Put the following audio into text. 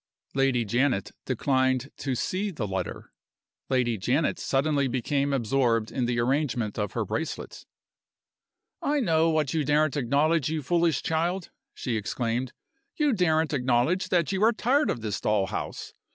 Lady Janet declined to see the letter. Lady Janet suddenly became absorbed in the arrangement of her bracelets. "I know what you daren't acknowledge, you foolish child!" she exclaimed. "You daren't acknowledge that you are tired of this dull house.